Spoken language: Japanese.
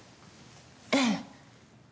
ええ。